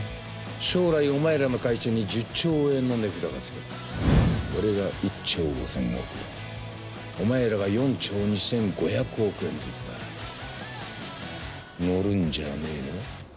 将来お前らの会社に１０兆円の値札がつけば俺が１兆５０００億円お前らが４兆２５００億円ずつだ載るんじゃねえの？